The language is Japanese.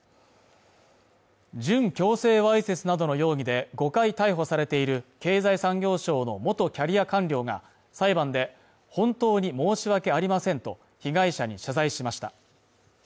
準強制わいせつなどの容疑で、５回逮捕されている経済産業省の元キャリア官僚が裁判で、本当に申し訳ありませんと被害者に謝罪しました。